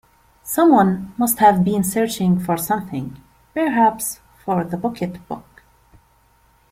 Someone must have been searching for something — perhaps for the pocket-book.